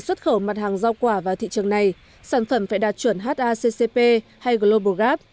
xuất khẩu mặt hàng rau quả vào thị trường này sản phẩm phải đạt chuẩn haccp hay global gap